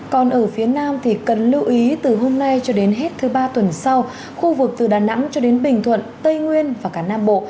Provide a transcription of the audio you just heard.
còn ở phía nam thì cần lưu ý từ hôm nay cho đến hết thứ ba tuần sau khu vực từ đà nẵng cho đến bình thuận tây nguyên và cả nam bộ